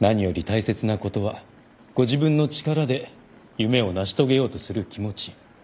何より大切なことはご自分の力で夢を成し遂げようとする気持ち。